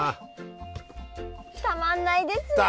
たまんないですね！